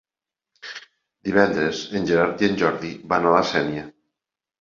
Divendres en Gerard i en Jordi van a la Sénia.